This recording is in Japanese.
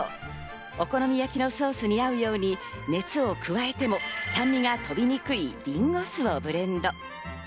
お好み焼きのソースに合うように熱を加えても酸味の飛びにくいリンゴ酢をブレンド。